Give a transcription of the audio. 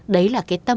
đấy là cái tâm ấy